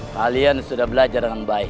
kalian sudah belajar dengan baik